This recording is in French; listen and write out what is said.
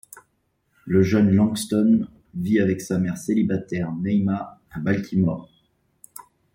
Le jeune Langston vit avec sa mère célibataire, Naima, à Baltimore.